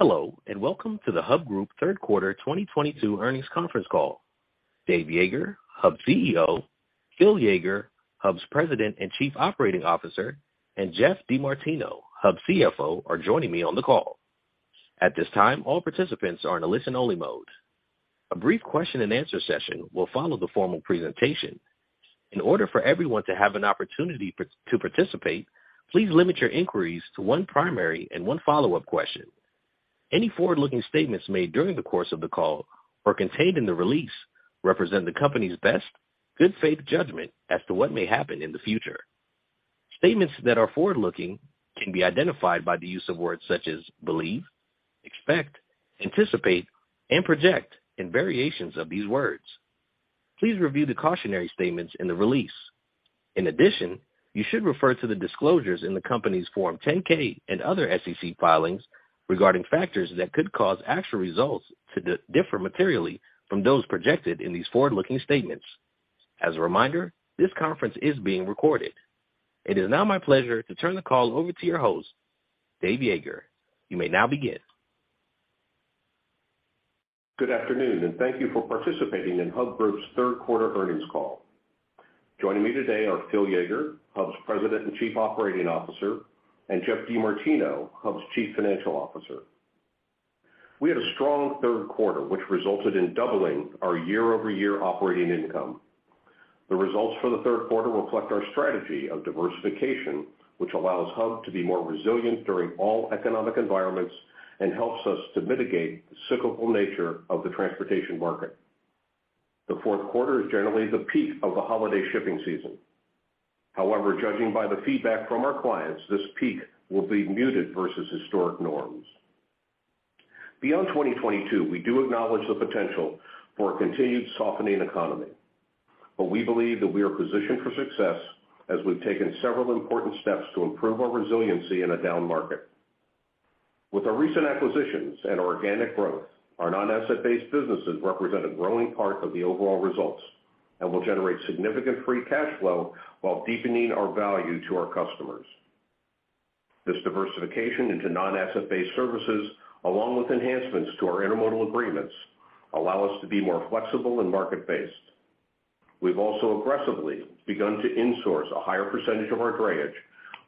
Hello, and welcome to the Hub Group third quarter 2022 earnings conference call. Dave Yeager, Hub's CEO, Phil Yeager, Hub's President and Chief Operating Officer, and Geoff DeMartino, Hub's CFO, are joining me on the call. At this time, all participants are in a listen-only mode. A brief question-and-answer session will follow the formal presentation. In order for everyone to have an opportunity to participate, please limit your inquiries to one primary and one follow-up question. Any forward-looking statements made during the course of the call or contained in the release represent the company's best good faith judgment as to what may happen in the future. Statements that are forward-looking can be identified by the use of words such as believe, expect, anticipate, and project, and variations of these words. Please review the cautionary statements in the release. In addition, you should refer to the disclosures in the company's Form 10-K and other SEC filings regarding factors that could cause actual results to differ materially from those projected in these forward-looking statements. As a reminder, this conference is being recorded. It is now my pleasure to turn the call over to your host, Dave Yeager. You may now begin. Good afternoon, and thank you for participating in Hub Group's third-quarter earnings call. Joining me today are Phil Yeager, Hub's President and Chief Operating Officer, and Geoff DeMartino, Hub's Chief Financial Officer. We had a strong third quarter, which resulted in doubling our year-over-year operating income. The results for the third quarter reflect our strategy of diversification, which allows Hub to be more resilient during all economic environments and helps us to mitigate the cyclical nature of the transportation market. The fourth quarter is generally the peak of the holiday shipping season. However, judging by the feedback from our clients, this peak will be muted versus historic norms. Beyond 2022, we do acknowledge the potential for a continued softening economy, but we believe that we are positioned for success as we've taken several important steps to improve our resiliency in a down market. With our recent acquisitions and organic growth, our non-asset-based businesses represent a growing part of the overall results and will generate significant free cash flow while deepening our value to our customers. This diversification into non-asset-based services, along with enhancements to our intermodal agreements, allow us to be more flexible and market-based. We've also aggressively begun to insource a higher percentage of our drayage,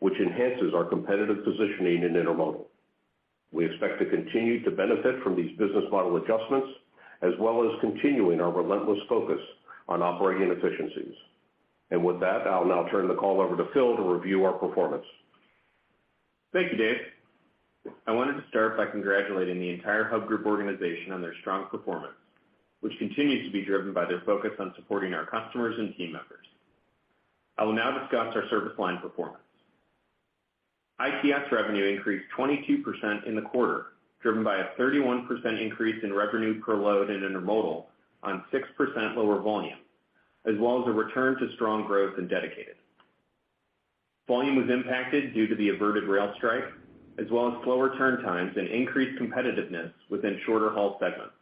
which enhances our competitive positioning in intermodal. We expect to continue to benefit from these business model adjustments, as well as continuing our relentless focus on operating efficiencies. With that, I'll now turn the call over to Phil to review our performance. Thank you, Dave. I wanted to start by congratulating the entire Hub Group organization on their strong performance, which continues to be driven by their focus on supporting our customers and team members. I will now discuss our service line performance. ITS revenue increased 22% in the quarter, driven by a 31% increase in revenue per load in intermodal on 6% lower volume, as well as a return to strong growth in dedicated. Volume was impacted due to the averted rail strike, as well as slower turn times and increased competitiveness within shorter haul segments.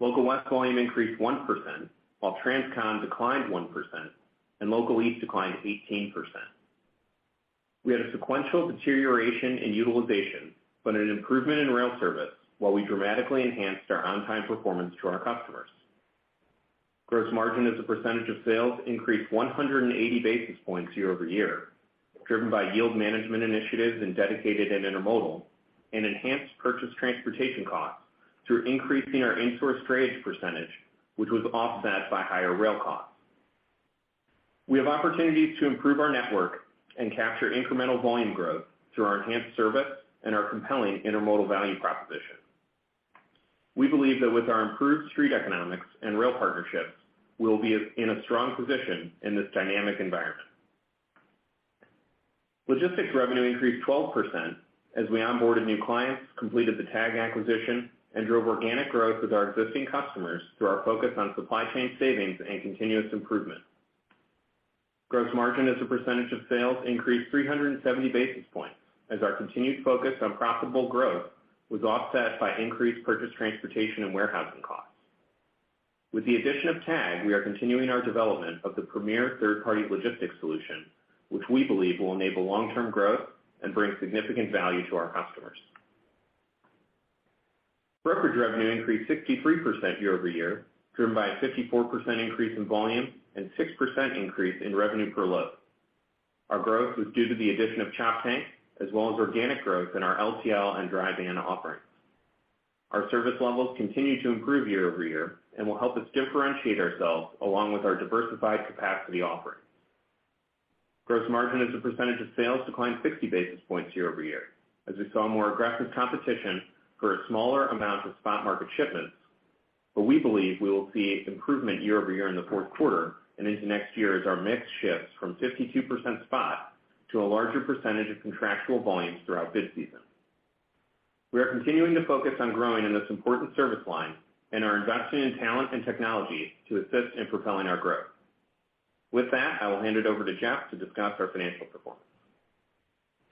Local West volume increased 1%, while Transcon declined 1%, and Local East declined 18%. We had a sequential deterioration in utilization, but an improvement in rail service while we dramatically enhanced our on-time performance to our customers. Gross margin as a percentage of sales increased 180 basis points year-over-year, driven by yield management initiatives in dedicated and intermodal, and enhanced purchase transportation costs through increasing our insourced drayage percentage, which was offset by higher rail costs. We have opportunities to improve our network and capture incremental volume growth through our enhanced service and our compelling intermodal value proposition. We believe that with our improved street economics and rail partnerships, we will be in a strong position in this dynamic environment. Logistics revenue increased 12% as we onboarded new clients, completed the TAGG acquisition, and drove organic growth with our existing customers through our focus on supply chain savings and continuous improvement. Gross margin as a percentage of sales increased 370 basis points as our continued focus on profitable growth was offset by increased purchase transportation and warehousing costs. With the addition of TAGG, we are continuing our development of the premier third-party logistics solution, which we believe will enable long-term growth and bring significant value to our customers. Brokerage revenue increased 63% year-over-year, driven by a 54% increase in volume and 6% increase in revenue per load. Our growth was due to the addition of Choptank, as well as organic growth in our LTL and dry van offerings. Our service levels continue to improve year-over-year and will help us differentiate ourselves along with our diversified capacity offerings. Gross margin as a percentage of sales declined 60 basis points year-over-year as we saw more aggressive competition for a smaller amount of spot market shipments, but we believe we will see improvement year-over-year in the fourth quarter and into next year as our mix shifts from 52% spot to a larger percentage of contractual volumes throughout bid season. We are continuing to focus on growing in this important service line and are investing in talent and technology to assist in propelling our growth. With that, I will hand it over to Geoff to discuss our financial performance.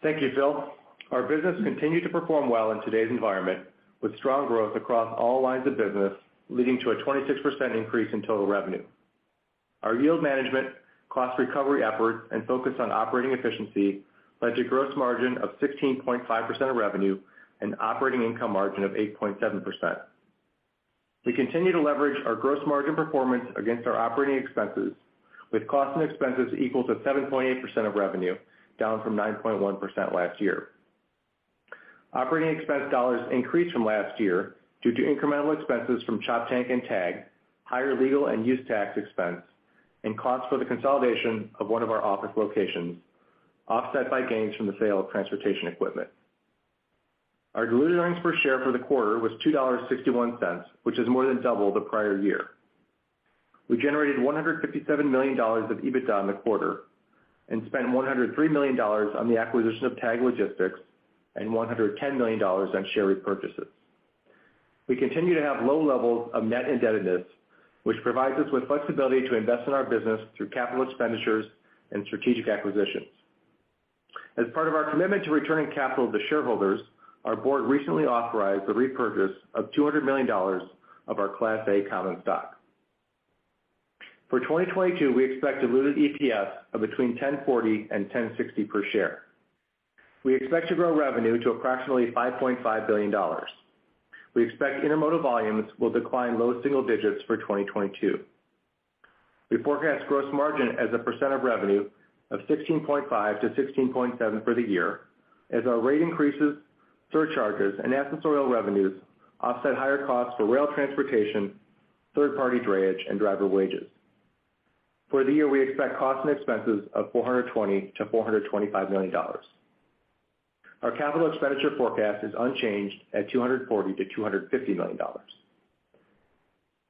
Thank you, Phil. Our business continued to perform well in today's environment, with strong growth across all lines of business, leading to a 26% increase in total revenue. Our yield management, cost recovery efforts and focus on operating efficiency led to gross margin of 16.5% of revenue and operating income margin of 8.7%. We continue to leverage our gross margin performance against our operating expenses with costs and expenses equal to 7.8% of revenue, down from 9.1% last year. Operating expense dollars increased from last year due to incremental expenses from Choptank and TAGG, higher legal and use tax expense, and costs for the consolidation of one of our office locations, offset by gains from the sale of transportation equipment. Our diluted earnings per share for the quarter was $2.61, which is more than double the prior year. We generated $157 million of EBITDA in the quarter and spent $103 million on the acquisition of TAGG Logistics and $110 million on share repurchases. We continue to have low levels of net indebtedness, which provides us with flexibility to invest in our business through capital expenditures and strategic acquisitions. As part of our commitment to returning capital to shareholders, our board recently authorized the repurchase of $200 million of our class A common stock. For 2022, we expect diluted EPS of between $10.40 and $10.60 per share. We expect to grow revenue to approximately $5.5 billion. We expect intermodal volumes will decline low single digits for 2022. We forecast gross margin as a percent of revenue of 16.5%-16.7% for the year as our rate increases surcharges and accessorial revenues offset higher costs for rail transportation, third-party drayage and driver wages. For the year, we expect costs and expenses of $420 million to $425 million. Our capital expenditure forecast is unchanged at $240 million to $250 million.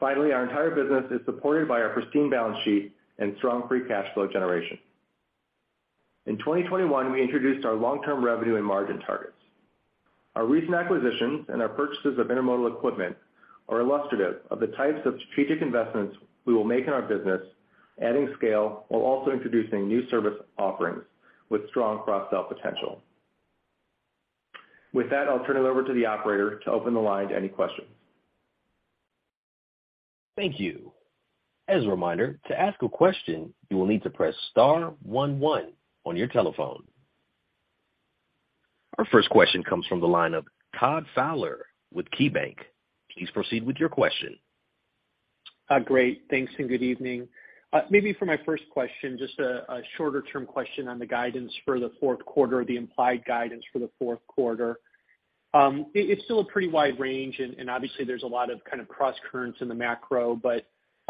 Finally, our entire business is supported by our pristine balance sheet and strong free cash flow generation. In 2021, we introduced our long-term revenue and margin targets. Our recent acquisitions and our purchases of intermodal equipment are illustrative of the types of strategic investments we will make in our business, adding scale while also introducing new service offerings with strong cross-sell potential. With that, I'll turn it over to the operator to open the line to any questions. Thank you. As a reminder, to ask a question, you will need to press star one one on your telephone. Our first question comes from the line of Todd Fowler with KeyBanc. Please proceed with your question. Great. Thanks and good evening. Maybe for my first question, just a shorter term question on the guidance for the fourth quarter, the implied guidance for the fourth quarter. It's still a pretty wide range and obviously there's a lot of kind of cross currents in the macro.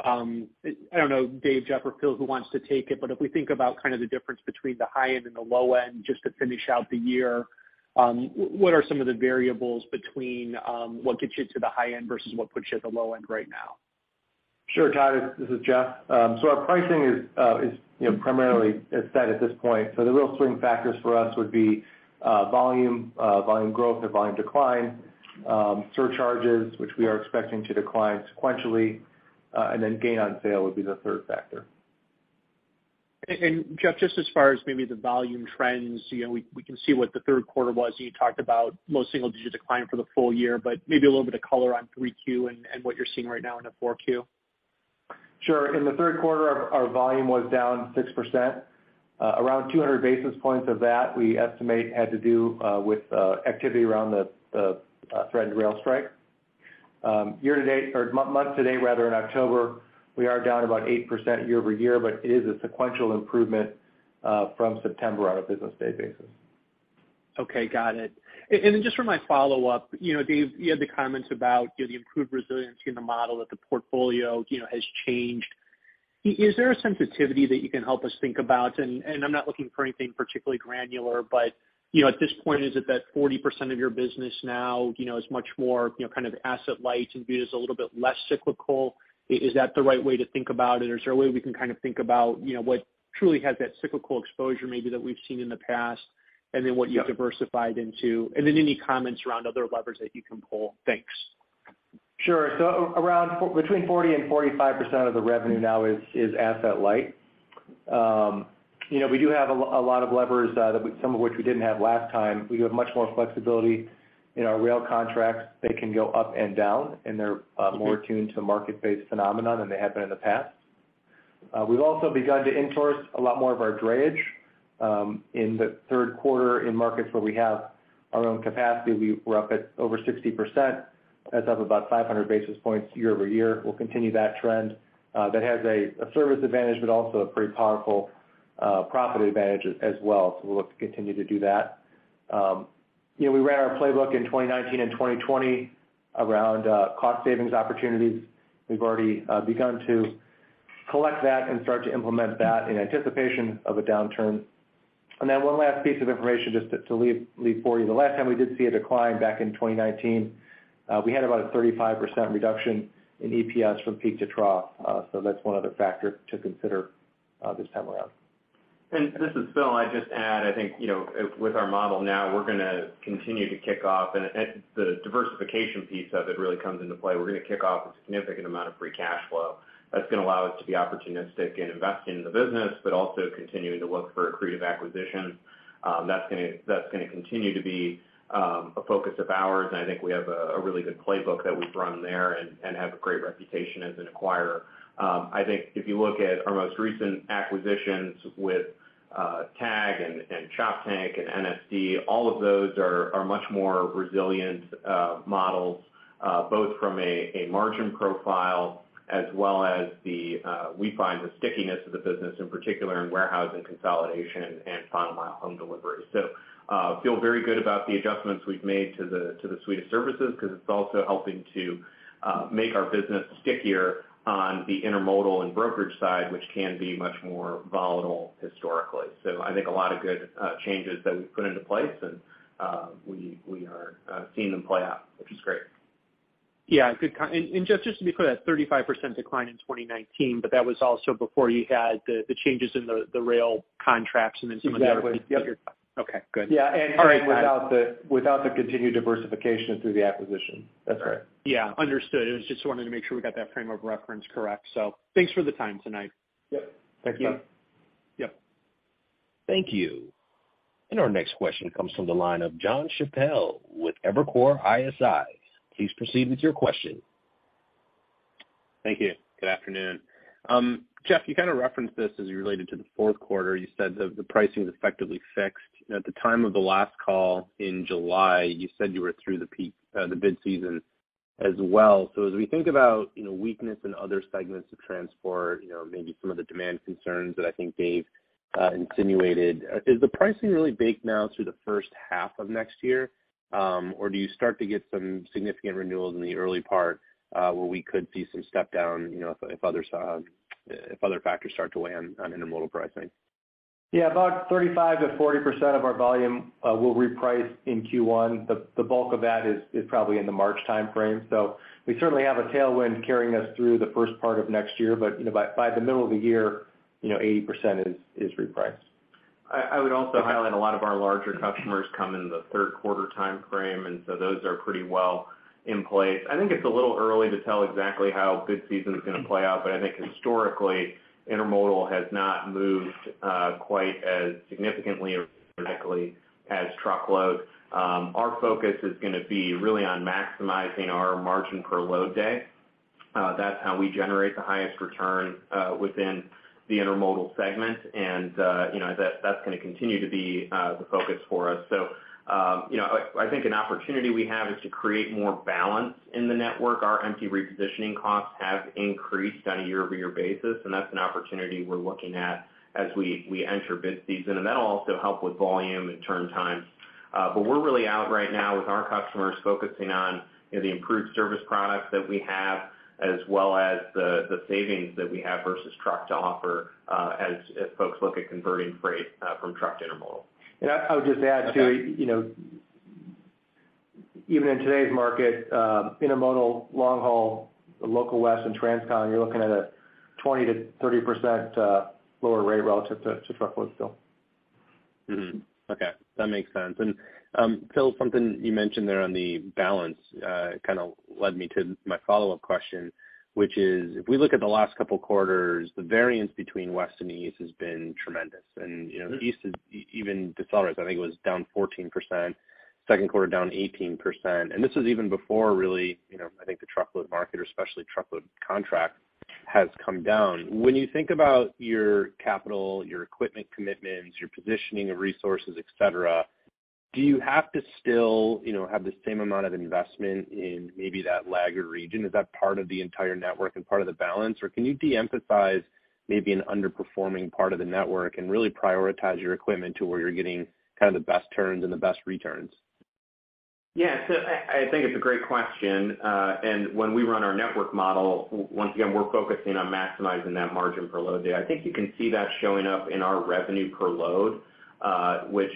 I don't know, Dave, Geoff or Phil who wants to take it, but if we think about kind of the difference between the high end and the low end just to finish out the year, what are some of the variables between what gets you to the high end versus what puts you at the low end right now? Sure, Todd, this is Geoff. Our pricing is, you know, primarily set at this point. The real swing factors for us would be volume growth or volume decline, surcharges which we are expecting to decline sequentially, and then gain on sale would be the third factor. Geoff, just as far as maybe the volume trends, you know, we can see what the third quarter was, and you talked about low single digit decline for the full year, but maybe a little bit of color on 3Q and what you're seeing right now into 4Q. Sure. In the third quarter our volume was down 6%. Around 200 basis points of that we estimate had to do with activity around the threatened rail strike. Year-to-date or month to date rather, in October we are down about 8% year-over-year. It is a sequential improvement from September on a business day basis. Okay, got it. Just for my follow-up, you know, Dave, you had the comments about, you know, the improved resiliency in the model that the portfolio, you know, has changed. Is there a sensitivity that you can help us think about? I'm not looking for anything particularly granular, but, you know, at this point, is it that 40% of your business now, you know, is much more, you know, kind of asset light and viewed as a little bit less cyclical? Is that the right way to think about it? Is there a way we can kind of think about, you know, what truly has that cyclical exposure maybe that we've seen in the past, and then what you've diversified into? Any comments around other levers that you can pull. Thanks. Between 40%-45% of the revenue now is asset light. You know, we do have a lot of levers, some of which we didn't have last time. We have much more flexibility in our rail contracts. They can go up and down, and they're more attuned to market-based phenomena than they have been in the past. We've also begun to in-source a lot more of our drayage. In the third quarter in markets where we have our own capacity, we're up at over 60%. That's up about 500 basis points year-over-year. We'll continue that trend. That has a service advantage but also a pretty powerful profit advantage as well. We look to continue to do that. You know, we ran our playbook in 2019 and 2020 around cost savings opportunities. We've already begun to collect that and start to implement that in anticipation of a downturn. Then one last piece of information just to leave for you. The last time we did see a decline back in 2019, we had about a 35% reduction in EPS from peak to trough. That's one other factor to consider this time around. This is Phil. I'd just add, I think, you know, with our model now, we're gonna continue to kick off, and the diversification piece of it really comes into play. We're gonna kick off a significant amount of free cash flow. That's gonna allow us to be opportunistic in investing in the business, but also continuing to look for accretive acquisitions. That's gonna continue to be a focus of ours, and I think we have a really good playbook that we've run there and have a great reputation as an acquirer. I think if you look at our most recent acquisitions with TAGG and Choptank and NSD, all of those are much more resilient models, both from a margin profile as well as we find the stickiness of the business, in particular in warehouse and consolidation and final mile home delivery. Feel very good about the adjustments we've made to the suite of services because it's also helping to make our business stickier on the intermodal and brokerage side, which can be much more volatile historically. I think a lot of good changes that we've put into place, and we are seeing them play out, which is great. Yeah. Just to be clear, that 35% decline in 2019, but that was also before you had the changes in the rail contracts and then some of the other. Exactly. Yep. Okay, good. Yeah.All right. Without the continued diversification through the acquisition. That's correct. Yeah, understood. I just wanted to make sure we got that frame of reference correct. Thanks for the time tonight. Yep. Thank you. Yep. Thank you. Our next question comes from the line of Jon Chappell with Evercore ISI. Please proceed with your question. Thank you. Good afternoon. Geoff, you kind of referenced this as you related to the fourth quarter. You said the pricing is effectively fixed. At the time of the last call in July, you said you were through the peak, the bid season as well. As we think about, you know, weakness in other segments of transport, you know, maybe some of the demand concerns that I think Dave insinuated, is the pricing really baked now through the first half of next year? Or do you start to get some significant renewals in the early part, where we could see some step down, you know, if other factors start to weigh on intermodal pricing? Yeah, about 35%-40% of our volume will reprice in Q1. The bulk of that is probably in the March timeframe. We certainly have a tailwind carrying us through the first part of next year. You know, by the middle of the year, you know, 80% is repriced. I would also highlight a lot of our larger customers come in the third quarter timeframe, and so those are pretty well in place. I think it's a little early to tell exactly how bid season is gonna play out, but I think historically, intermodal has not moved quite as significantly or directly as truckload. Our focus is gonna be really on maximizing our margin per load day. That's how we generate the highest return within the intermodal segment. You know, that's gonna continue to be the focus for us. You know, I think an opportunity we have is to create more balance in the network. Our empty repositioning costs have increased on a year-over-year basis, and that's an opportunity we're looking at as we enter bid season, and that'll also help with volume and turn times. We're really out right now with our customers focusing on, you know, the improved service products that we have, as well as the savings that we have versus truck to offer, as folks look at converting freight from truck to intermodal. I would just add, too, you know, even in today's market, intermodal long haul, Local West and Transcon, you're looking at a 20%-30% lower rate relative to truckload still. Okay. That makes sense. Phil, something you mentioned there on the balance kind of led me to my follow-up question, which is if we look at the last couple quarters, the variance between west and east has been tremendous. East is even decelerating, I think it was down 14%, second quarter down 18%. This was even before really, you know, I think the truckload market or especially truckload contract has come down. When you think about your capital, your equipment commitments, your positioning of resources, et cetera, do you have to still, you know, have the same amount of investment in maybe that lagging region? Is that part of the entire network and part of the balance? Can you de-emphasize maybe an underperforming part of the network and really prioritize your equipment to where you're getting kind of the best turns and the best returns? Yeah. I think it's a great question. When we run our network model, once again, we're focusing on maximizing that margin per load day. I think you can see that showing up in our revenue per load, which,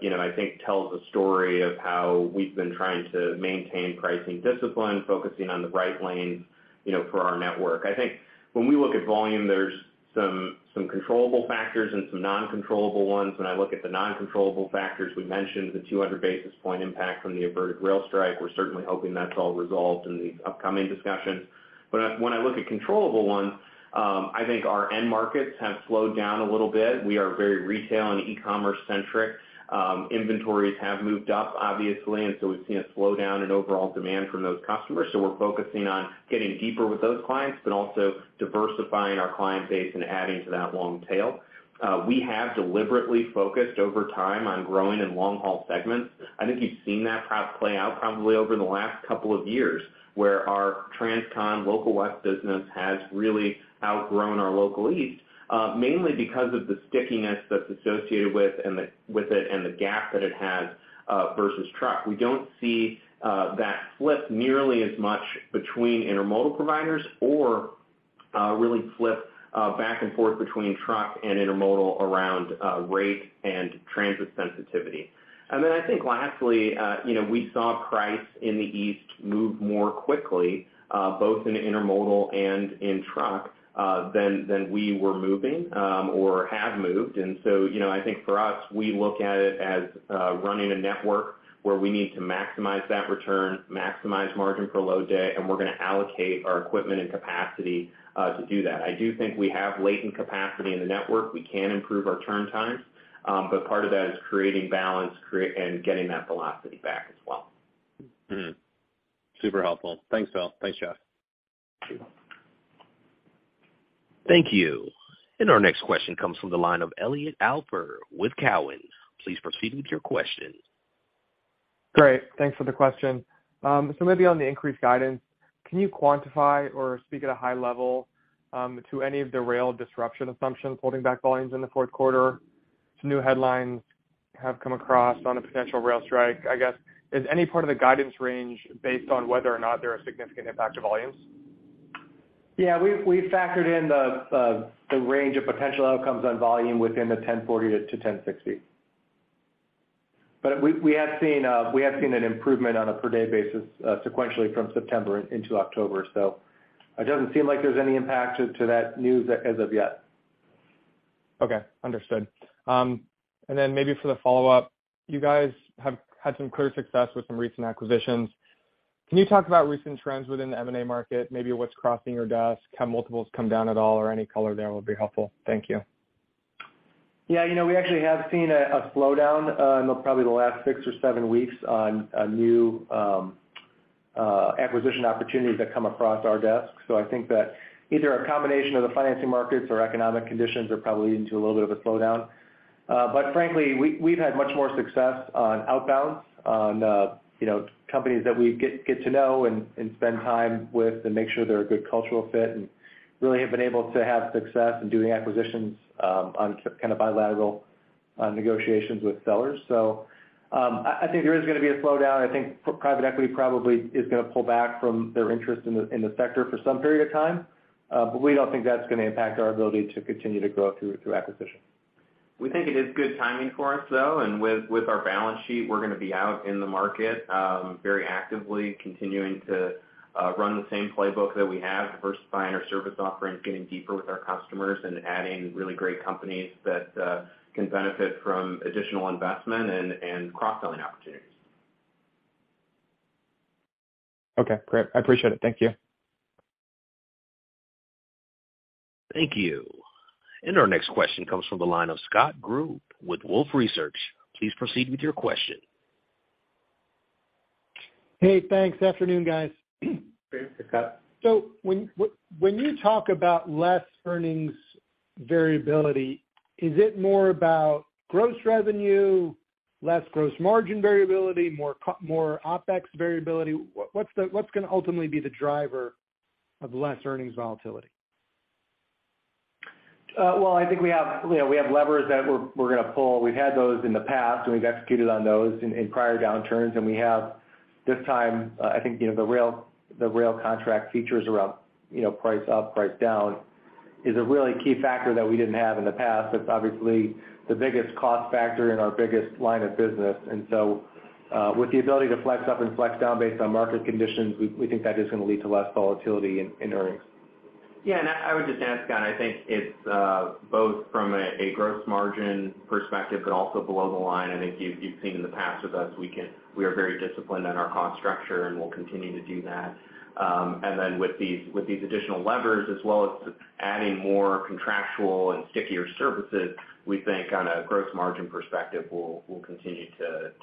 you know, I think tells a story of how we've been trying to maintain pricing discipline, focusing on the right lane, you know, for our network. I think when we look at volume, there's some controllable factors and some non-controllable ones. When I look at the non-controllable factors, we mentioned the 200 basis point impact from the averted rail strike. We're certainly hoping that's all resolved in these upcoming discussions. When I look at controllable ones, I think our end markets have slowed down a little bit. We are very retail and e-commerce centric. Inventories have moved up, obviously, and so we've seen a slowdown in overall demand from those customers. We're focusing on getting deeper with those clients, but also diversifying our client base and adding to that long tail. We have deliberately focused over time on growing in long-haul segments. I think you've seen that play out probably over the last couple of years, where our Transcon Local West business has really outgrown our Local East, mainly because of the stickiness that's associated with it and the gap that it has versus truck. We don't see that slip nearly as much between intermodal providers or really flip back and forth between truck and intermodal around rate and transit sensitivity. I think lastly, you know, we saw price in the East move more quickly, both in intermodal and in truck, than we were moving, or have moved. You know, I think for us, we look at it as running a network where we need to maximize that return, maximize margin per load, and we're gonna allocate our equipment and capacity to do that. I do think we have latent capacity in the network. We can improve our turn times, but part of that is creating balance and getting that velocity back as well. Mm-hmm. Super helpful. Thanks, Phil. Thanks, Jon. Thank you. Our next question comes from the line of Elliot Alper with Cowen. Please proceed with your question. Great. Thanks for the question. Maybe on the increased guidance, can you quantify or speak at a high level, to any of the rail disruption assumptions holding back volumes in the fourth quarter? Some new headlines have come across on a potential rail strike. I guess, is any part of the guidance range based on whether or not they're a significant impact to volumes? Yeah. We've factored in the range of potential outcomes on volume within the 1,040-1,060. We have seen an improvement on a per-day basis sequentially from September into October. It doesn't seem like there's any impact to that news as of yet. Okay. Understood. Maybe for the follow-up, you guys have had some clear success with some recent acquisitions. Can you talk about recent trends within the M&A market, maybe what's crossing your desk? Have multiples come down at all, or any color there will be helpful. Thank you. Yeah, you know, we actually have seen a slowdown in probably the last six or seven weeks on new acquisition opportunities that come across our desk. I think that either a combination of the financing markets or economic conditions are probably leading to a little bit of a slowdown. But frankly, we've had much more success on outbounds, you know, companies that we get to know and spend time with and make sure they're a good cultural fit, and really have been able to have success in doing acquisitions on kind of bilateral negotiations with sellers. So I think there is gonna be a slowdown. I think private equity probably is gonna pull back from their interest in the sector for some period of time. We don't think that's gonna impact our ability to continue to grow through acquisition. We think it is good timing for us, though. With our balance sheet, we're gonna be out in the market, very actively continuing to run the same playbook that we have, diversifying our service offerings, getting deeper with our customers, and adding really great companies that can benefit from additional investment and cross-selling opportunities. Okay, great. I appreciate it. Thank you. Thank you. Our next question comes from the line of Scott Group with Wolfe Research. Please proceed with your question. Hey, thanks. Afternoon, guys. Thanks, Scott. When you talk about less earnings variability, is it more about gross revenue, less gross margin variability, more OpEx variability? What's gonna ultimately be the driver of less earnings volatility? Well, I think we have, you know, we have levers that we're gonna pull. We've had those in the past, and we've executed on those in prior downturns. We have this time, I think, you know, the rail contract features around, you know, price up, price down, is a really key factor that we didn't have in the past. That's obviously the biggest cost factor in our biggest line of business. With the ability to flex up and flex down based on market conditions, we think that is gonna lead to less volatility in earnings. Yeah. I would just add, Scott, I think it's both from a gross margin perspective, but also below the line. I think you've seen in the past with us, we are very disciplined in our cost structure, and we'll continue to do that. Then with these additional levers, as well as adding more contractual and stickier services, we think on a gross margin perspective, we'll continue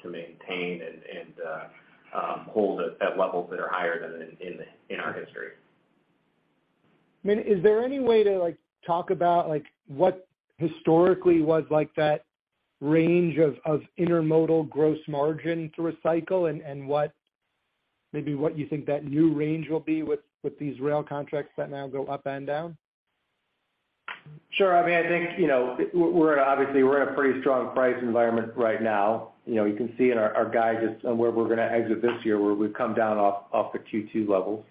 to maintain and hold at levels that are higher than in our history. I mean, is there any way to, like, talk about, like, what historically was like that range of intermodal gross margin through a cycle and what, maybe what you think that new range will be with these rail contracts that now go up and down? Sure. I mean, I think, you know, we're obviously in a pretty strong price environment right now. You know, you can see in our guidance on where we're gonna exit this year, where we've come down off the Q2 levels.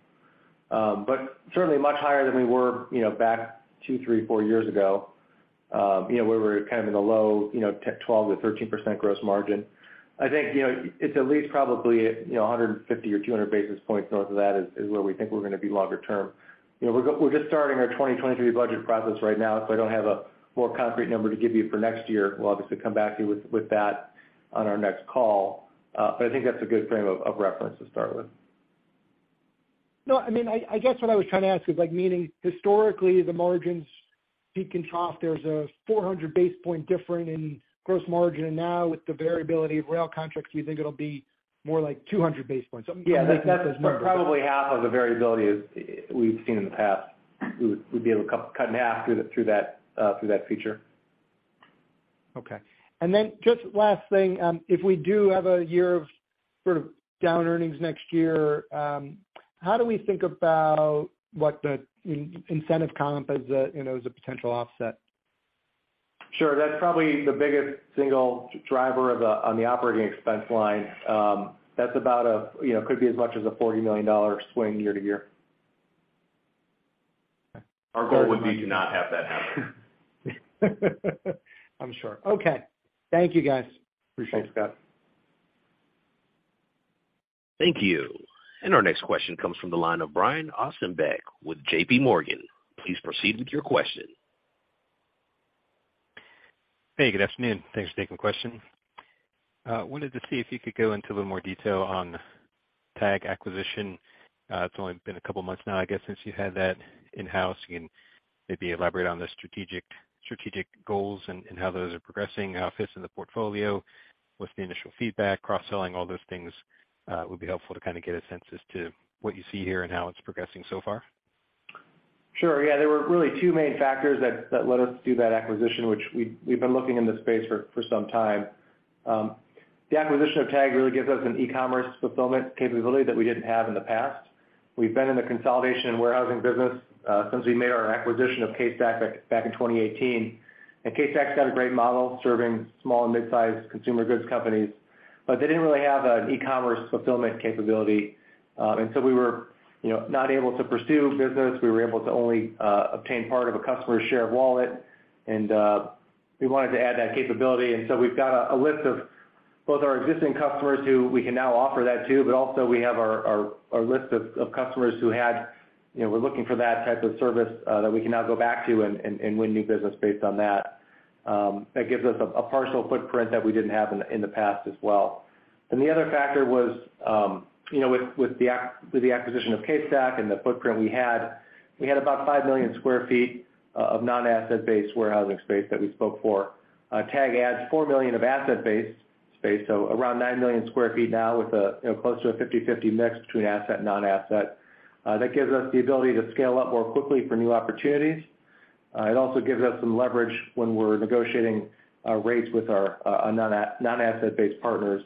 Certainly much higher than we were, you know, back two, three, four years ago, you know, where we're kind of in the low, you know, 12%-13% gross margin. I think, you know, it's at least probably, you know, 150 or 200 basis points north of that is where we think we're gonna be longer term. You know, we're just starting our 2023 budget process right now, so I don't have a more concrete number to give you for next year. We'll obviously come back to you with that on our next call. I think that's a good frame of reference to start with. No, I mean, I guess what I was trying to ask is like, meaning historically, the margins peak and trough, there's a 400 basis point difference in gross margin. Now with the variability of rail contracts, do you think it'll be more like 200 basis points? I mean. Yeah, that's probably half of the variability as we've seen in the past. We'd be able to cut in half through that feature. Okay. Just last thing, if we do have a year of sort of down earnings next year, how do we think about what the incentive comp as a, you know, as a potential offset? Sure. That's probably the biggest single driver of the on the operating expense line. That's about a, you know, could be as much as a $40 million swing year-to-year. Our goal would be to not have that happen. I'm sure. Okay. Thank you, guys. Appreciate it. Thanks, Scott. Thank you. Our next question comes from the line of Brian Ossenbeck with JPMorgan. Please proceed with your question. Hey, good afternoon. Thanks for taking the question. Wanted to see if you could go into a little more detail on TAGG acquisition. It's only been a couple of months now, I guess, since you had that in-house. You can maybe elaborate on the strategic goals and how those are progressing, how it fits in the portfolio. What's the initial feedback, cross-selling, all those things would be helpful to kind of get a sense as to what you see here and how it's progressing so far. Sure. Yeah. There were really two main factors that led us to that acquisition, which we've been looking in this space for some time. The acquisition of TAGG really gives us an e-commerce fulfillment capability that we didn't have in the past. We've been in the consolidation and warehousing business since we made our acquisition of CaseStack back in 2018. CaseStack's got a great model serving small and mid-sized consumer goods companies, but they didn't really have an e-commerce fulfillment capability. We were, you know, not able to pursue business. We were able to only obtain part of a customer's share of wallet, and we wanted to add that capability. We've got a list of both our existing customers who we can now offer that to, but also we have our list of customers who had, you know, were looking for that type of service that we can now go back to and win new business based on that. That gives us a partial footprint that we didn't have in the past as well. The other factor was with the acquisition of CaseStack and the footprint we had, we had about five million sq ft of non-asset-based warehousing space that we spoke for. TAGG adds four million sq ft of asset-based space, so around nine million sq ft now with close to a 50/50 mix between asset and non-asset. That gives us the ability to scale up more quickly for new opportunities. It also gives us some leverage when we're negotiating rates with our non-asset-based partners,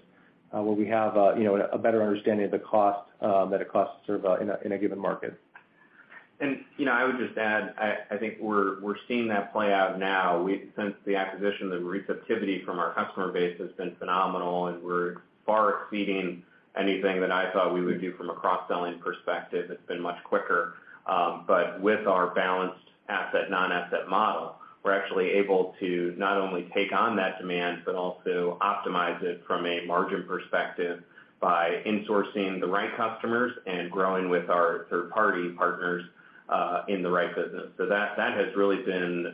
where we have, you know, a better understanding of the cost that it costs to serve in a given market. You know, I would just add, I think we're seeing that play out now. Since the acquisition, the receptivity from our customer base has been phenomenal, and we're far exceeding anything that I thought we would do from a cross-selling perspective. It's been much quicker. But with our balanced asset, non-asset model, we're actually able to not only take on that demand, but also optimize it from a margin perspective by insourcing the right customers and growing with our third-party partners in the right business. That has really been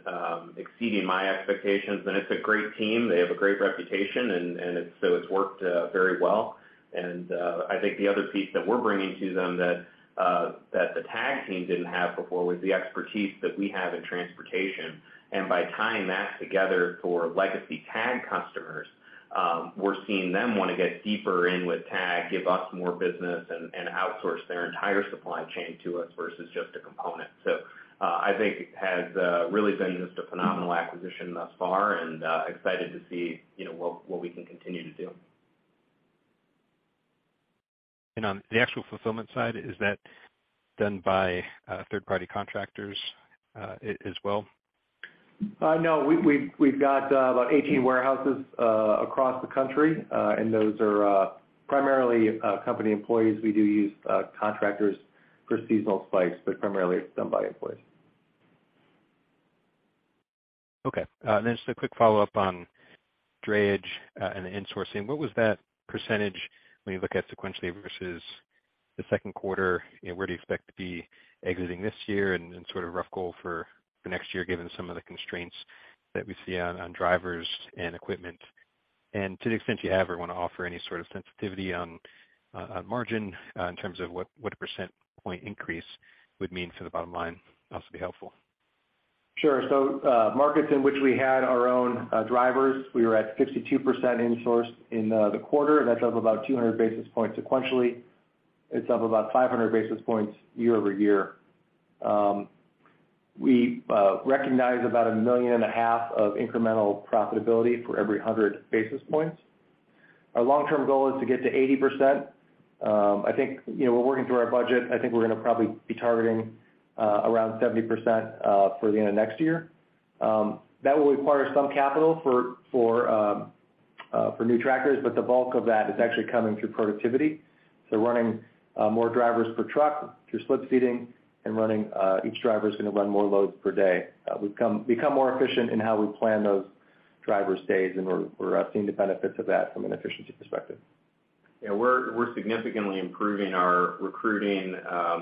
exceeding my expectations. It's a great team. They have a great reputation, and it's worked very well. I think the other piece that we're bringing to them that the TAGG team didn't have before was the expertise that we have in transportation. By tying that together for legacy TAG customers, we're seeing them want to get deeper in with TAGG, give us more business and outsource their entire supply chain to us versus just a component. I think it has really been just a phenomenal acquisition thus far and excited to see, you know, what we can continue to do. On the actual fulfillment side, is that done by third-party contractors as well? No. We've got about 18 warehouses across the country, and those are primarily company employees. We do use contractors for seasonal spikes, but primarily it's done by employees. Just a quick follow-up on drayage and the insourcing. What was that percentage when you look at sequentially versus the second quarter? You know, where do you expect to be exiting this year and sort of rough goal for next year, given some of the constraints that we see on drivers and equipment? To the extent you have or want to offer any sort of sensitivity on margin, in terms of what a percentage point increase would mean for the bottom line, also be helpful. Sure. Markets in which we had our own drivers, we were at 52% insourced in the quarter. That's up about 200 basis points sequentially. It's up about 500 basis points year over year. We recognize about $1.5 million of incremental profitability for every 100 basis points. Our long-term goal is to get to 80%. I think, you know, we're working through our budget. I think we're gonna probably be targeting around 70% for the end of next year. That will require some capital for new tractors, but the bulk of that is actually coming through productivity. Running more drivers per truck through slip-seating and running each driver is gonna run more loads per day. We've become more efficient in how we plan those drivers' days, and we're seeing the benefits of that from an efficiency perspective. Yeah, we're significantly improving our recruiting.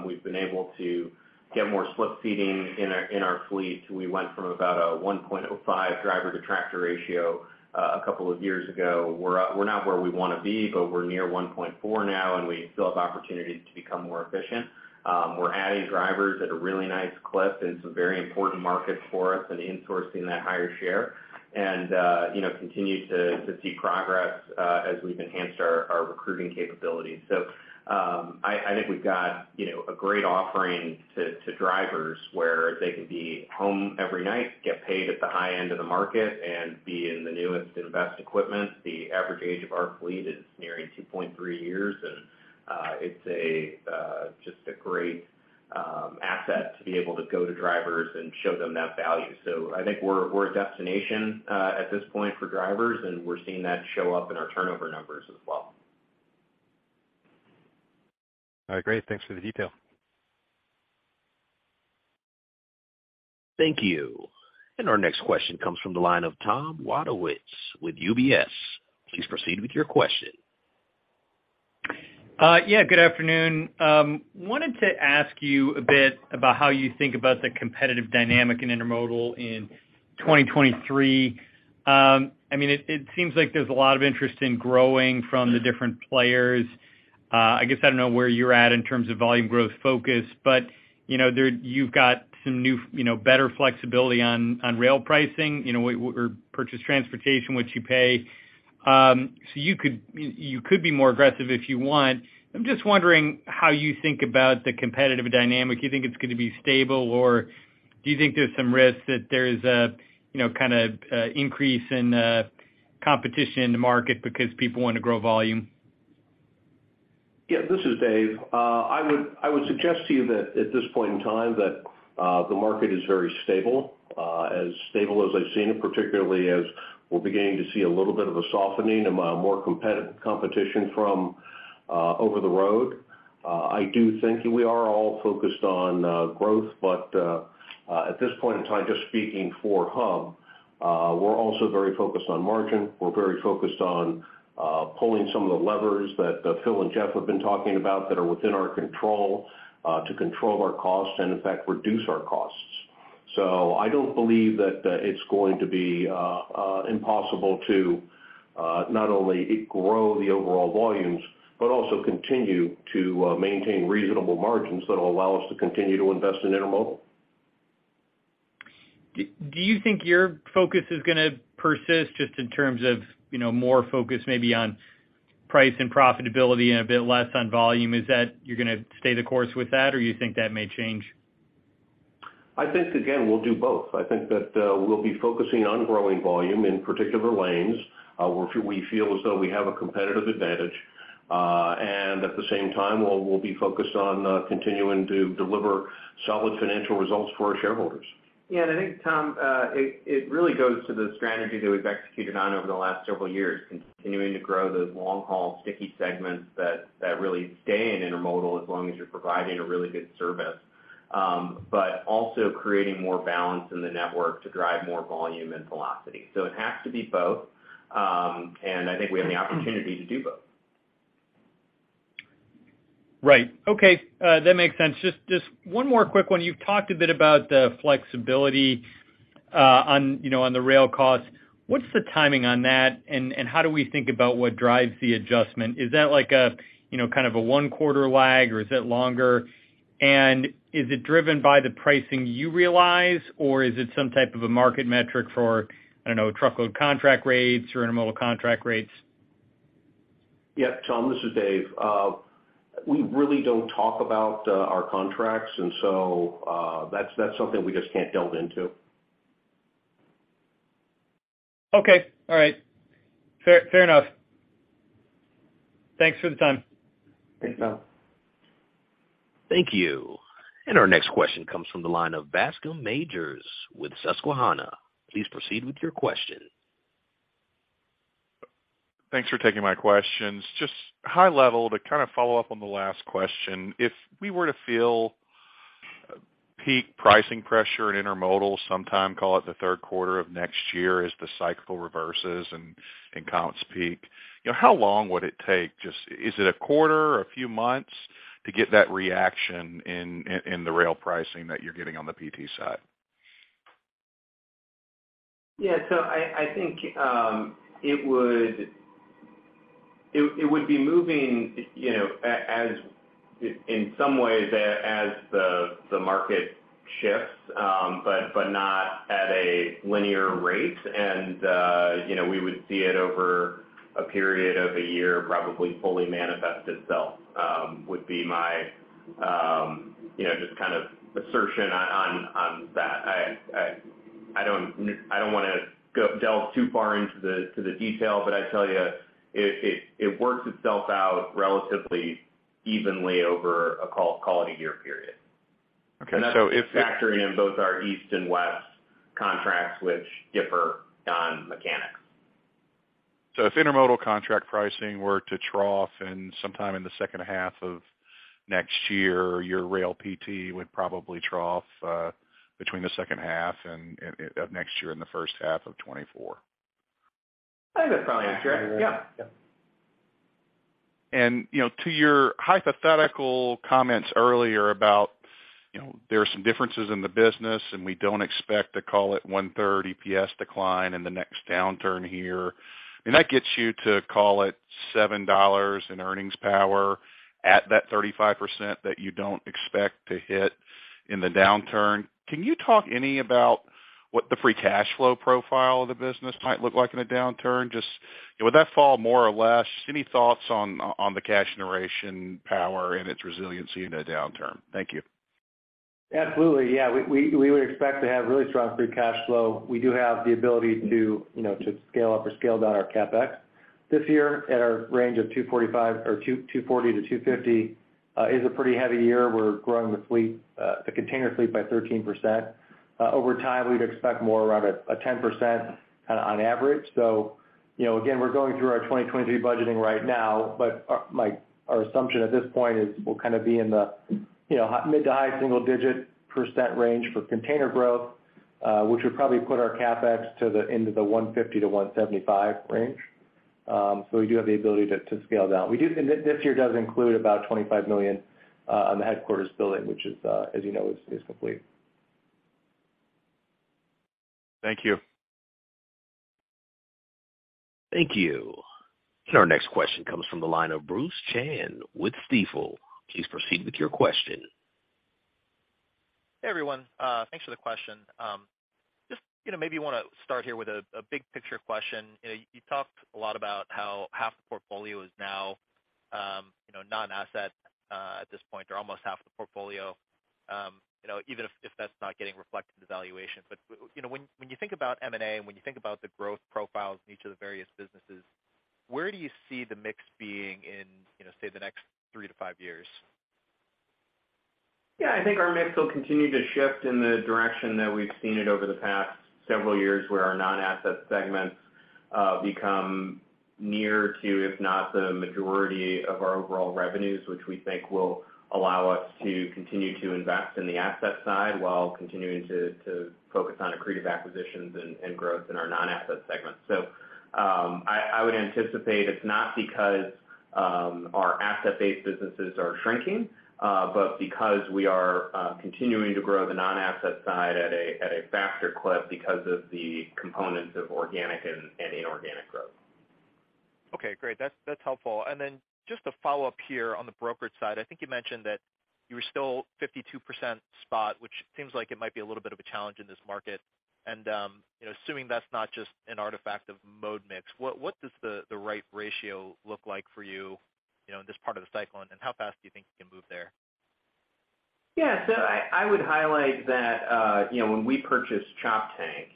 We've been able to get more slip-seating in our fleet. We went from about a 1.05 driver-to-tractor ratio a couple of years ago. We're not where we wanna be, but we're near 1.4 now, and we still have opportunity to become more efficient. We're adding drivers at a really nice clip in some very important markets for us and insourcing that higher share. You know, we continue to see progress as we've enhanced our recruiting capabilities. I think we've got, you know, a great offering to drivers where they can be home every night, get paid at the high end of the market, and be in the newest and best equipment. The average age of our fleet is nearing 2.3 years, and it's just a great asset to be able to go to drivers and show them that value. I think we're a destination at this point for drivers, and we're seeing that show up in our turnover numbers as well. All right, great. Thanks for the detail. Thank you. Our next question comes from the line of Tom Wadewitz with UBS. Please proceed with your question. Yeah, good afternoon. Wanted to ask you a bit about how you think about the competitive dynamic in intermodal in 2023. I mean, it seems like there's a lot of interest in growing from the different players. I guess I don't know where you're at in terms of volume growth focus, but, you know, there you've got some new, you know, better flexibility on rail pricing, you know, or purchase transportation, which you pay. So you could be more aggressive if you want. I'm just wondering how you think about the competitive dynamic. You think it's gonna be stable, or do you think there's some risk that there's a, you know, kind of increase in competition in the market because people wanna grow volume? Yeah, this is Dave. I would suggest to you that at this point in time, the market is very stable, as stable as I've seen, and particularly as we're beginning to see a little bit of a softening among more competitive competition from over the road. I do think we are all focused on growth, but at this point in time, just speaking for Hub, we're also very focused on margin. We're very focused on pulling some of the levers that Phil and Geoff have been talking about that are within our control to control our costs and in fact, reduce our costs. I don't believe that it's going to be impossible to not only grow the overall volumes but also continue to maintain reasonable margins that will allow us to continue to invest in intermodal. Do you think your focus is gonna persist just in terms of, you know, more focus maybe on price and profitability and a bit less on volume? Is that you're gonna stay the course with that, or you think that may change? I think, again, we'll do both. I think that we'll be focusing on growing volume in particular lanes where we feel as though we have a competitive advantage. At the same time, we'll be focused on continuing to deliver solid financial results for our shareholders. Yeah. I think, Tom, it really goes to the strategy that we've executed on over the last several years, continuing to grow those long-haul sticky segments that really stay in intermodal as long as you're providing a really good service. Also creating more balance in the network to drive more volume and velocity. It has to be both. I think we have the opportunity to do both. Right. Okay. That makes sense. Just one more quick one. You've talked a bit about the flexibility, you know, on the rail costs. What's the timing on that, and how do we think about what drives the adjustment? Is that like a, you know, kind of a one quarter lag, or is it longer? And is it driven by the pricing you realize, or is it some type of a market metric for, I don't know, truckload contract rates or intermodal contract rates? Yeah. Tom, this is Dave. We really don't talk about our contracts, and so that's something we just can't delve into. Okay. All right. Fair, fair enough. Thanks for the time. Thanks, Tom. Thank you. Our next question comes from the line of Bascome Majors with Susquehanna. Please proceed with your question. Thanks for taking my questions. Just high level to kind of follow up on the last question. If we were to feel peak pricing pressure in intermodal sometime, call it the third quarter of next year as the cycle reverses and counts peak, you know, how long would it take? Just is it a quarter, a few months to get that reaction in the rail pricing that you're getting on the PT side? Yeah. I think it would be moving, you know, in some ways as the market shifts, but not at a linear rate. You know, we would see it over a period of a year, probably fully manifest itself, would be my you know, just kind of assertion on that. I don't wanna delve too far into the detail, but I tell you, it works itself out relatively evenly over a calendar year period. Okay. That's factoring in both our East and West contracts, which differ on mechanics. If intermodal contract pricing were to trough in sometime in the second half of next year, your rail PT would probably trough between the second half of next year and the first half of 2024. I think that's probably correct. Yeah. Yeah. You know, to your hypothetical comments earlier about, you know, there are some differences in the business, and we don't expect to call it 1/3 EPS decline in the next downturn here. I mean, that gets you to call it $7 in earnings power at that 35% that you don't expect to hit in the downturn. Can you talk any about what the free cash flow profile of the business might look like in a downturn? Just, you know, would that fall more or less? Any thoughts on the cash generation power and its resiliency in a downturn? Thank you. Absolutely. Yeah, we would expect to have really strong free cash flow. We do have the ability to, you know, to scale up or scale down our CapEx. This year at our range of $245 or $240-$250 is a pretty heavy year. We're growing the fleet, the container fleet by 13%. Over time, we'd expect more around a 10% on average. You know, again, we're going through our 2023 budgeting right now, but our, like, our assumption at this point is we'll kind of be in the, you know, mid- to high single-digit percent range for container growth, which would probably put our CapEx to the end of the $150-$175 range. We do have the ability to scale down. This year does include about $25 million on the headquarters building, which is, as you know, complete. Thank you. Thank you. Our next question comes from the line of Bruce Chan with Stifel. Please proceed with your question. Hey, everyone. Thanks for the question. Just, you know, maybe wanna start here with a big picture question. You know, you talked a lot about how half the portfolio is now, you know, non-asset, at this point or almost half the portfolio, you know, even if that's not getting reflected in the valuation. You know, when you think about M&A, and when you think about the growth profiles in each of the various businesses, where do you see the mix being in, you know, say, the next three to five years? Yeah, I think our mix will continue to shift in the direction that we've seen it over the past several years, where our non-asset segments become near to, if not the majority of our overall revenues, which we think will allow us to continue to invest in the asset side while continuing to focus on accretive acquisitions and growth in our non-asset segments. I would anticipate it's not because our asset-based businesses are shrinking, but because we are continuing to grow the non-asset side at a faster clip because of the components of organic and inorganic growth. Okay, great. That's helpful. Just a follow-up here on the brokerage side. I think you mentioned that you were still 52% spot, which seems like it might be a little bit of a challenge in this market. You know, assuming that's not just an artifact of mode mix, what does the right ratio look like for you know, in this part of the cycle, and how fast do you think you can move there? Yeah. I would highlight that, you know, when we purchased Choptank,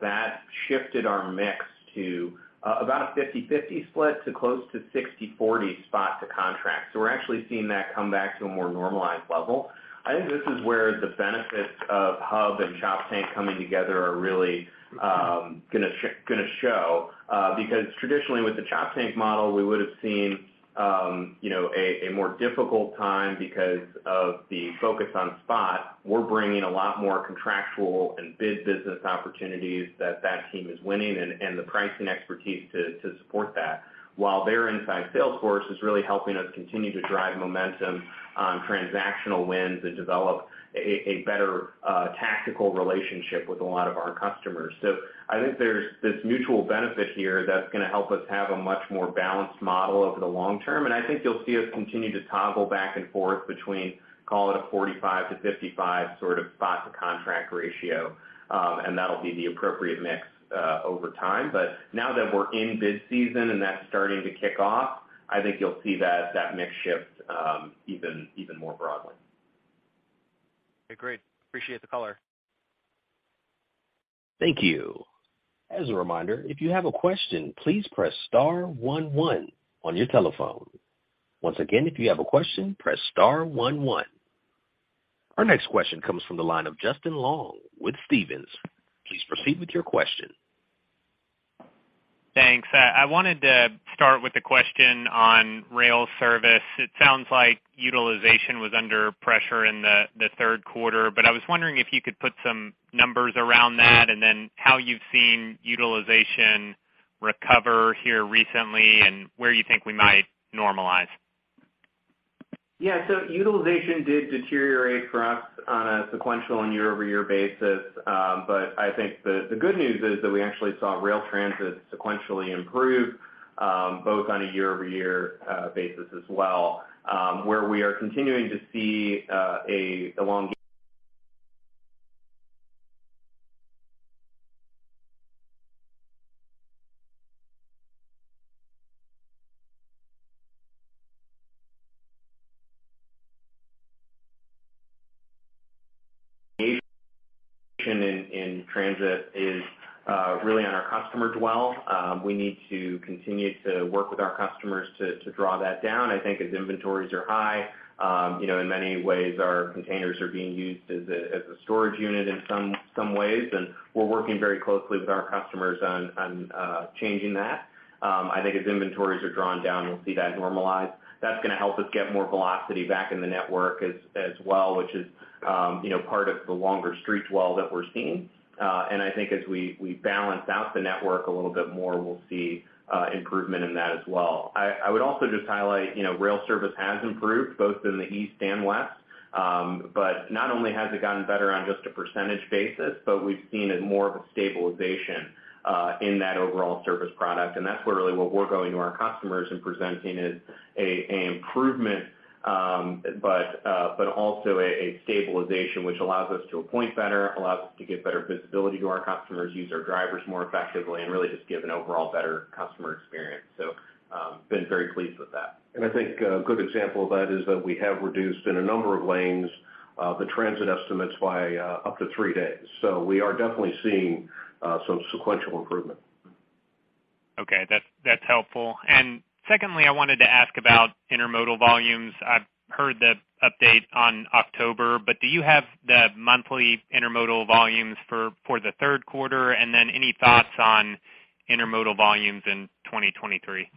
that shifted our mix to about a 50/50 split to close to 60/40 spot to contract. We're actually seeing that come back to a more normalized level. I think this is where the benefits of Hub and Choptank coming together are really gonna show, because traditionally with the Choptank model, we would have seen you know, a more difficult time because of the focus on spot. We're bringing a lot more contractual and bid business opportunities that that team is winning and the pricing expertise to support that while their inside sales force is really helping us continue to drive momentum on transactional wins and develop a better tactical relationship with a lot of our customers. I think there's this mutual benefit here that's gonna help us have a much more balanced model over the long term, and I think you'll see us continue to toggle back and forth between, call it, a 45-55 sort of spot to contract ratio. That'll be the appropriate mix over time. Now that we're in bid season and that's starting to kick off, I think you'll see that that mix shift even more broadly. Okay, great. Appreciate the color. Thank you. As a reminder, if you have a question, please press star one one on your telephone. Once again, if you have a question, press star one one. Our next question comes from the line of Justin Long with Stephens. Please proceed with your question. Thanks. I wanted to start with a question on rail service. It sounds like utilization was under pressure in the third quarter, but I was wondering if you could put some numbers around that and then how you've seen utilization recover here recently and where you think we might normalize. Yeah. Utilization did deteriorate for us on a sequential and year-over-year basis. I think the good news is that we actually saw rail transit sequentially improve, both on a year-over-year basis as well, where we are continuing to see an elongated in transit is really on our customer dwell. We need to continue to work with our customers to draw that down. I think as inventories are high, you know, in many ways our containers are being used as a storage unit in some ways, and we're working very closely with our customers on changing that. I think as inventories are drawn down, you'll see that normalize. That's gonna help us get more velocity back in the network as well, which is, you know, part of the longer street dwell that we're seeing. I think as we balance out the network a little bit more, we'll see improvement in that as well. I would also just highlight, you know, rail service has improved both in the east and west. Not only has it gotten better on just a percentage basis, but we've seen more of a stabilization in that overall service product. That's where really what we're going to our customers and presenting is an improvement, but also a stabilization, which allows us to operate better, allows us to give better visibility to our customers, use our drivers more effectively, and really just give an overall better customer experience. Been very pleased with that. I think a good example of that is that we have reduced in a number of lanes the transit estimates by up to three days. We are definitely seeing some sequential improvement. Okay. That's helpful. Secondly, I wanted to ask about intermodal volumes. I've heard the update on October, but do you have the monthly intermodal volumes for the third quarter? Then any thoughts on intermodal volumes in 2023?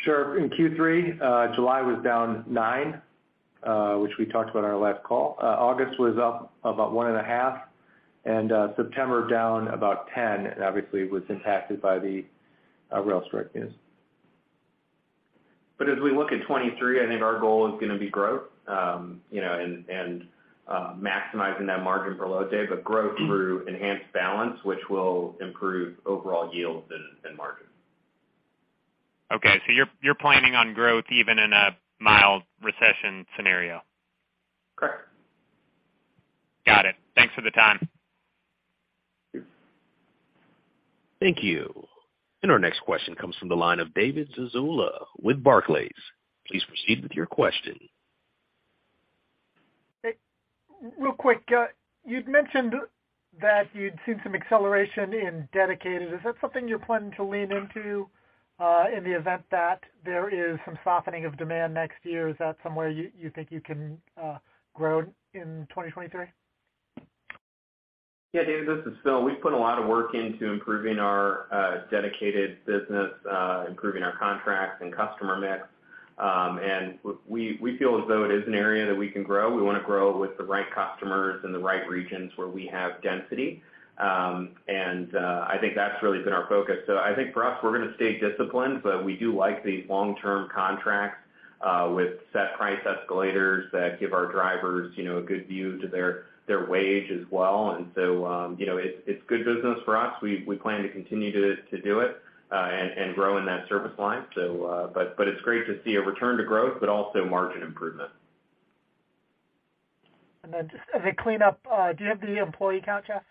Sure. In Q3, July was down 9%, which we talked about in our last call. August was up about 1.5%. September down about 10%, and obviously was impacted by the rail strike news. As we look at 2023, I think our goal is gonna be growth, you know, and maximizing that margin per load, but growth through enhanced balance, which will improve overall yields and margins. Okay. You're planning on growth even in a mild recession scenario? Correct. Got it. Thanks for the time. Thank you. Thank you. Our next question comes from the line of David Zazula with Barclays. Please proceed with your question. Hey. Real quick, you'd mentioned that you'd seen some acceleration in dedicated. Is that something you're planning to lean into, in the event that there is some softening of demand next year? Is that somewhere you think you can grow in 2023? Yeah, David, this is Phil. We've put a lot of work into improving our dedicated business, improving our contracts and customer mix. We feel as though it is an area that we can grow. We wanna grow with the right customers in the right regions where we have density. I think that's really been our focus. I think for us, we're gonna stay disciplined, but we do like these long-term contracts with set price escalators that give our drivers, you know, a good view to their wage as well. You know, it's good business for us. We plan to continue to do it and grow in that service line. But it's great to see a return to growth, but also margin improvement. Just as a cleanup, do you have the employee count, Geoff?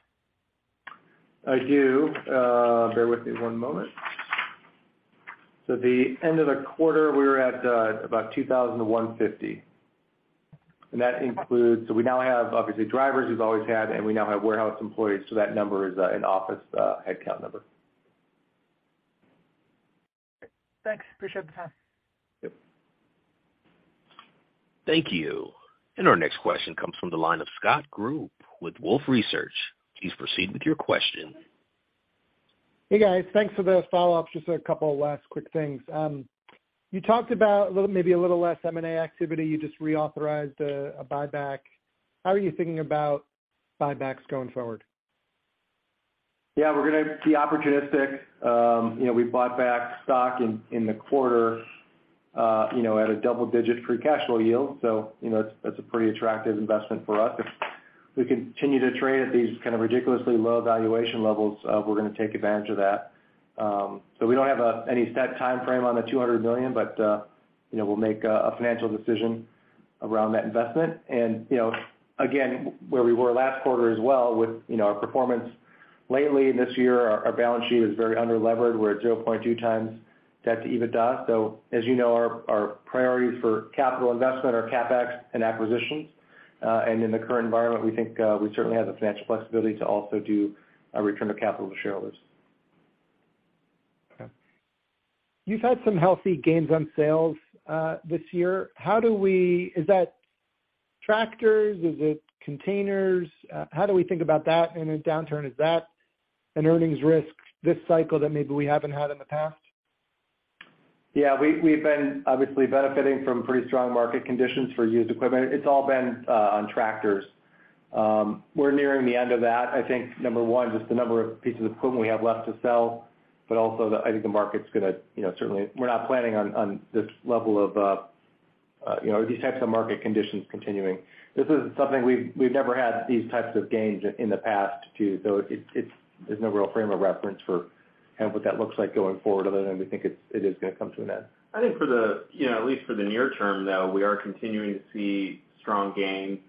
I do. Bear with me one moment. At the end of the quarter, we were at about 2,150, and that includes drivers we've always had, and we now have warehouse employees, so that number is an office headcount number. Okay. Thanks. Appreciate the time. Yep. Thank you. Our next question comes from the line of Scott Group with Wolfe Research. Please proceed with your question. Hey, guys. Thanks for the follow-up. Just a couple of last quick things. You talked about a little, maybe a little less M&A activity. You just reauthorized a buyback. How are you thinking about buybacks going forward? Yeah, we're gonna be opportunistic. You know, we bought back stock in the quarter, you know, at a double-digit free cash flow yield. You know, it's a pretty attractive investment for us. If we continue to trade at these kind of ridiculously low valuation levels, we're gonna take advantage of that. You know, we don't have any set timeframe on the $200 million, but, you know, we'll make a financial decision around that investment. You know, again, where we were last quarter as well with, you know, our performance lately this year, our balance sheet is very underlevered. We're at 0.2x debt to EBITDA. You know, our priorities for capital investment are CapEx and acquisitions. In the current environment, we think we certainly have the financial flexibility to also do a return of capital to shareholders. Okay. You've had some healthy gains on sales this year. Is that tractors? Is it containers? How do we think about that in a downturn? Is that an earnings risk this cycle that maybe we haven't had in the past? Yeah. We've been obviously benefiting from pretty strong market conditions for used equipment. It's all been on tractors. We're nearing the end of that. I think, number one, just the number of pieces of equipment we have left to sell, but also the, I think the market's gonna, you know, certainly. We're not planning on this level of, you know, these types of market conditions continuing. This is something we've never had these types of gains in the past too, so it's, there's no real frame of reference for kind of what that looks like going forward other than we think it is gonna come to an end. I think for the, you know, at least for the near term, though, we are continuing to see strong gains.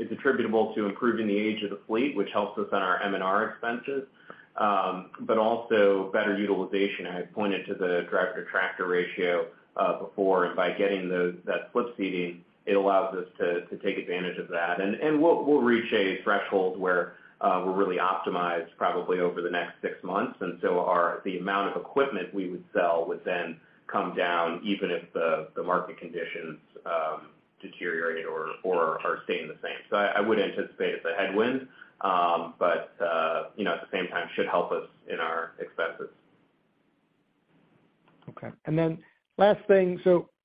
It's attributable to improving the age of the fleet, which helps us on our M&R expenses, but also better utilization. I pointed to the driver to tractor ratio before, and by getting that slip-seating, it allows us to take advantage of that. We'll reach a threshold where we're really optimized probably over the next six months. The amount of equipment we would sell would then come down even if the market conditions deteriorate or are staying the same. I would anticipate it's a headwind, but you know, at the same time should help us in our expenses. Okay. Last thing.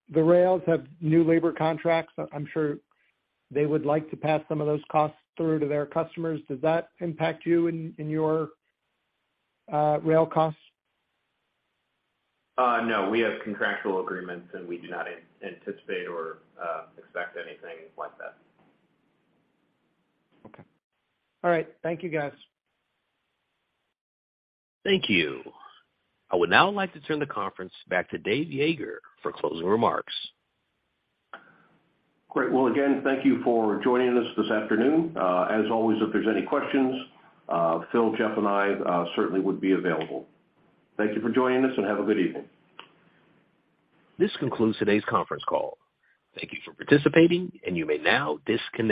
The rails have new labor contracts. I'm sure they would like to pass some of those costs through to their customers. Does that impact you in your rail costs? No. We have contractual agreements, and we do not anticipate or expect anything like that. Okay. All right. Thank you, guys. Thank you. I would now like to turn the conference back to Dave Yeager for closing remarks. Great. Well, again, thank you for joining us this afternoon. As always, if there's any questions, Phil, Geoff, and I certainly would be available. Thank you for joining us, and have a good evening. This concludes today's conference call. Thank you for participating, and you may now disconnect.